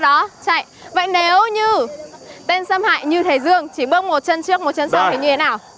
tháo chạy vậy nếu như tên xâm hại như thầy dương chỉ bước một chân trước một chân sau thì như thế nào